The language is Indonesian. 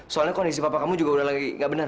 soalnya kondisi papa kamu juga udah lagi gak benar